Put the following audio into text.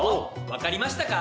分かりましたか？